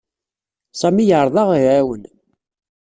Sami yeɛreḍ ad aɣ-iɛawen.